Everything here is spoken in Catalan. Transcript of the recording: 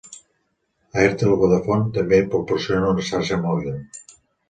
Airtel-Vodafone també proporciona una xarxa mòbil.